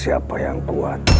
siapa yang kuat